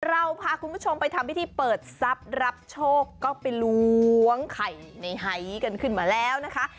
เราพาคุณผู้ชมไปทำพิธีเปิดทรัพย์รับโชคก็ไปล้วงไข่ในไฮกันขึ้นมาแล้วนะคะ